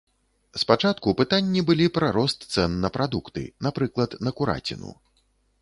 Спачатку пытанні былі пра рост цэн на прадукты, напрыклад, на кураціну.